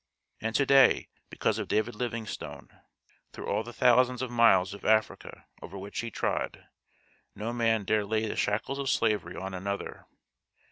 And to day, because of David Livingstone, through all the thousands of miles of Africa over which he trod, no man dare lay the shackles of slavery on another.